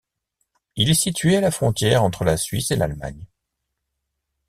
Il est situé à la frontière entre la Suisse et l'Allemagne.